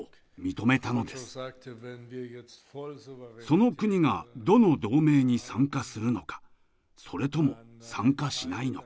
その国がどの同盟に参加するのかそれとも参加しないのか。